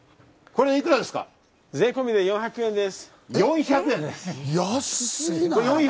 税込みで４００円です。